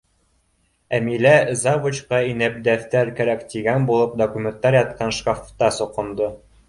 Әмилә, завучҡа инеп, дәфтәр кәрәк тигән булып, документтар ятҡан шкафта соҡондо.